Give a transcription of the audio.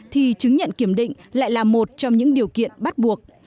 thì chứng nhận kiểm định lại là một trong những điều kiện bắt buộc